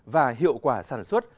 và hiệu quả sản xuất